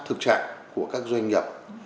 thực trạng của các doanh nghiệp